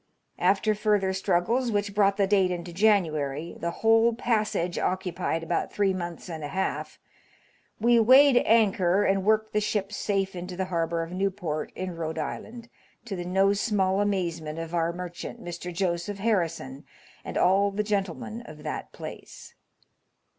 After further struggles, which brought the date into January — the whole passage occupied about three months and a half! — "we weighed anchor and worked the ship safe into the harbour of Newport, in Ehode Island, to the no small amazement of our merchant, Mr. Joseph Harrison, and all the gentlemen of that place."